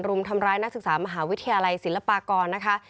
รุมทำร้ายนักศึกษามหาวิทยาลัยศิลปากรนะคะ